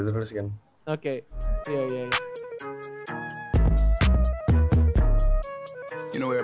pasti ngikutin dari atasan lah